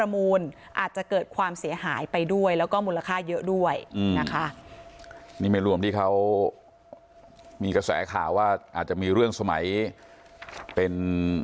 มีกระแสข่าวว่าอาจจะมีเรื่องสมัยเป็น